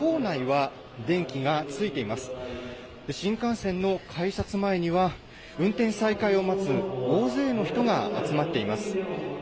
新幹線の改札前には、運転再開を待つ大勢の人が集まっています。